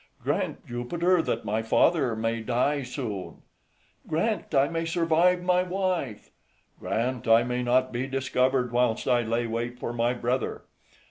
"Grant Jupiter, that my father may die soon!" "Grant I may survive my wife!" "Grant I may not be discovered, whilst I lay wait for my brother!"